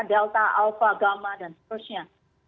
delta alpha gamma dan seterusnya